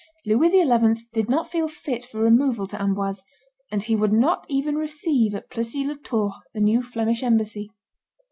Louis XI. did not feel fit for removal to Amboise; and he would not even receive at Plessis les Tours the new Flemish embassy.